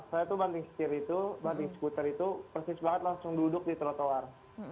saya itu banding sekir itu banding skuter itu persis banget langsung duduk di trotoar